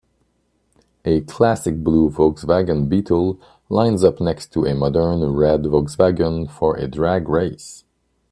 A classic blue Volkswagen Beetle lines up next to a modern red Volkswagen for a drag race.